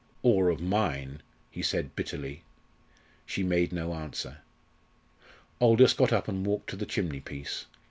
"Or of mine?" he said bitterly. She made no answer. Aldous got up and walked to the chimney piece.